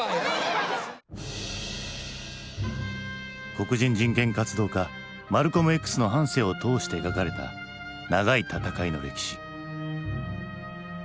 黒人人権活動家マルコムＸの半生を通して描かれた長い戦いの歴史。